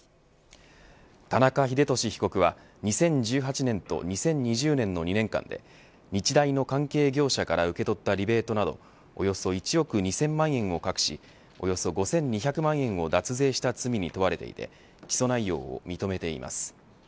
田中英寿被告は２０１８年と２０２０年の２年間で日大の関係業者から受け取ったリベートなどおよそ１億２０００万円を隠しおよそ５２００万円を脱税した罪に問われていて起訴内容を認めています。